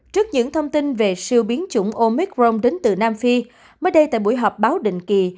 trước những thông tin về siêu biến chủng omic rong đến từ nam phi mới đây tại buổi họp báo định kỳ